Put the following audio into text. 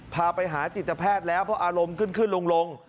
พาไปหาจิตแพทย์แล้วเพราะอารมณ์ขึ้นขึ้นลง